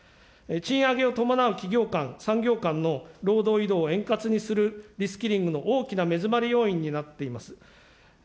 賃上げを伴う企業間、産業間の労働移動を円滑にするリスキリングの大きな目詰まり要因になっています。